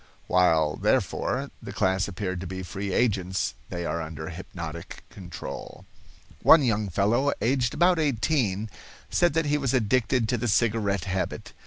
While, therefore, the class appeared to be free agents, they are under hypnotic control. One young fellow, aged about eighteen, said that he was addicted to the cigarette habit.